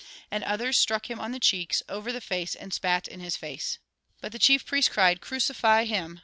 " And others struck him on the cheeks, over the face, and spat in his face. But the chief priests cried :" Crucify him